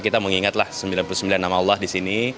kita mengingat sembilan puluh sembilan nama allah disini